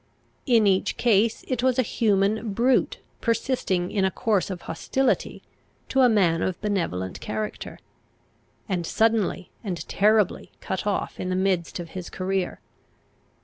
In each case it was a human brute persisting in a course of hostility to a man of benevolent character, and suddenly and terribly cut off in the midst of his career.